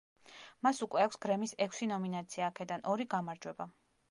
მას უკვე აქვს გრემის ექვსი ნომინაცია, აქედან ორი გამარჯვება.